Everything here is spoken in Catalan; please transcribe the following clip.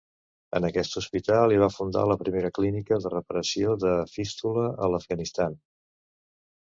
En aquest hospital hi va fundar la primera clínica de reparació de fístula a l'Afganistan.